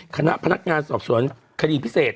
คณะพนักงานสอบสวนคดีพิเศษ